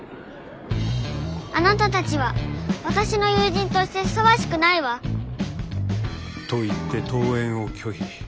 あなたたちは私の友人としてふさわしくないわ。と言って登園を拒否。